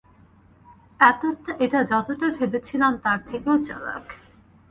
এটা যতটা ভেবেছিলাম তার থেকেও চালাক।